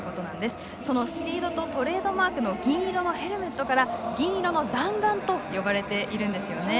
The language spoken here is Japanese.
スピードとトレードマークの銀色のヘルメットから銀色の弾丸と呼ばれているんですよね。